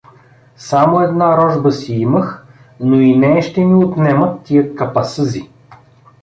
… Само една рожба си имах, но и нея ще ми отнемат тия капасъзи!